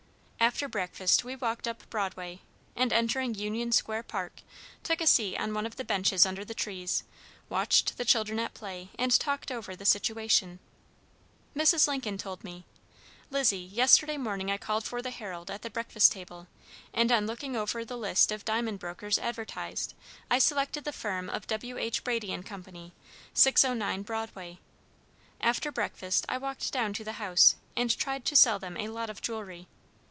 After breakfast we walked up Broadway, and entering Union Square Park, took a seat on one of the benches under the trees, watched the children at play, and talked over the situation. Mrs. Lincoln told me: "Lizzie, yesterday morning I called for the Herald at the breakfast table, and on looking over the list of diamond brokers advertised, I selected the firm of W. H. Brady & Co., 609 Broadway. After breakfast I walked down to the house, and tried to sell them a lot of jewelry.